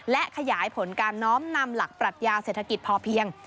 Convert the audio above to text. และขยายผลการน้อมนำหลักปรัชญาเศรษฐกิจพอเพียง